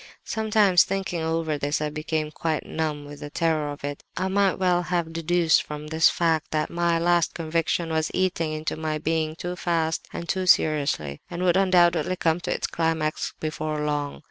"Sometimes, thinking over this, I became quite numb with the terror of it; and I might well have deduced from this fact, that my 'last conviction' was eating into my being too fast and too seriously, and would undoubtedly come to its climax before long.